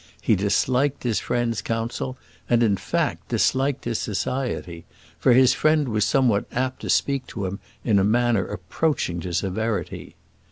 He disliked his friend's counsel, and, in fact, disliked his society, for his friend was somewhat apt to speak to him in a manner approaching to severity.